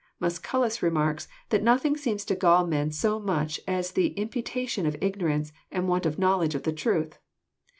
Musculus remarks, that nothing seems to gall men so much as the imputation of ignorance and want of knowledge of the truth.